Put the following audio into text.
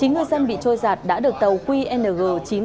chín ngư dân bị trôi giặt đã được tàu qng chín nghìn sáu mươi bảy